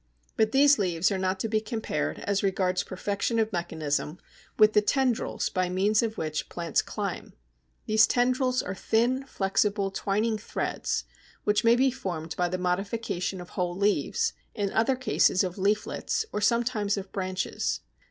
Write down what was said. But these leaves are not to be compared as regards perfection of mechanism with the tendrils by means of which plants climb. These tendrils are thin, flexible, twining threads, which may be formed by the modification of whole leaves, in other cases of leaflets, or sometimes of branches.